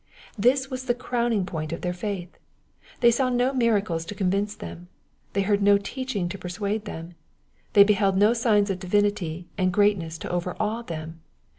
This was the pfowniag po^nt of tl^eir faith. — They saw no miracles to eoftyiftcp them. They Jieard no teaching to persuade them. Tb^y beheld no signs of divinity and great^es(i to overawe them.